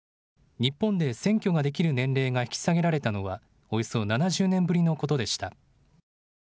日本で選挙ができる年齢が引き下げられたのはおよそ７０年ぶりのことでした。